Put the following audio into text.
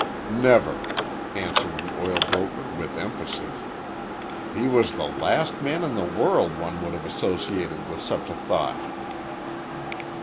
"Never," answered the oil broker with emphasis. "He was the last man in the world one would have associated with such a thought."